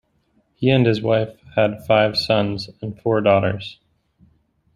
He and his wife have five sons and four daughters.